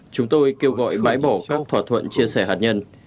chúng tôi kêu gọi bãi bỏ các thỏa thuận chia sẻ hạt nhân